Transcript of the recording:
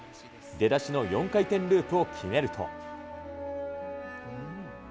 出だしの４回転ループを決めると。